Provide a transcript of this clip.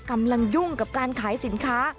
กำลังยุ่งกับการขายสินค้า